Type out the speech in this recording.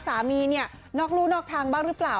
สามีเนี่ยนอกรู่นอกทางบ้างหรือเปล่า